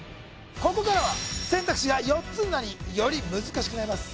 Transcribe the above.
ここからは選択肢が４つになりより難しくなります